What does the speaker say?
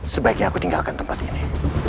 sebaiknya aku tinggalkan tempat ini